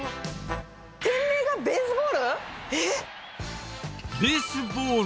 店名がベースボール？